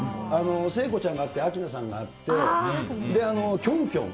聖子ちゃんがあって、明菜さんがあって、で、確かに、キョンキョン。